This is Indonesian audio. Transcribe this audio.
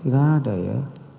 gak ada ya